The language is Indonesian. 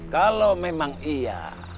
kalau memang iya